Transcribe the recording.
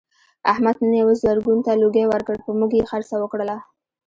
احمد نن یوه زرګون ته لوګی ورکړ په موږ یې خرڅه وکړله.